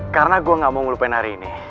karena gue gak mau ngelupain hari ini